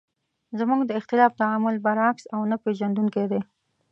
زموږ د اختلاف تعامل برعکس او نه پېژندونکی دی.